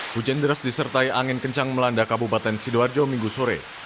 hujan deras disertai angin kencang melanda kabupaten sidoarjo minggu sore